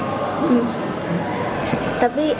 tapi apakah keinginan masyarakat itu nanti bisa terwujud mas